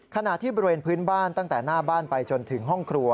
ขณะที่บริเวณพื้นบ้านตั้งแต่หน้าบ้านไปจนถึงห้องครัว